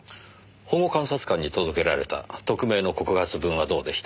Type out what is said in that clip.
保護観察官に届けられた匿名の告発文はどうでした？